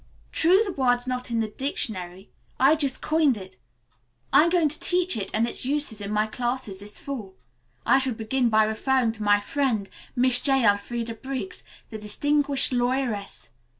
True the word's not in the dictionary. I just coined it. I'm going to teach it and its uses in my classes this fall. I shall begin by referring to my friend, Miss J. Elfreda Briggs, the distinguished lawyeress.